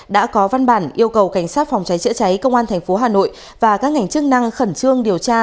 đã có văn bản yêu cầu cảnh sát phòng cháy chữa cháy công an tp hà nội và các ngành chức năng khẩn trương điều tra